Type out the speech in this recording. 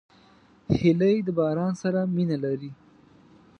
هیلۍ د باران سره مینه لري